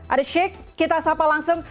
ada shake kita sapa langsung